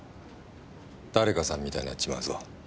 誰かさんみたいになっちまうぞ。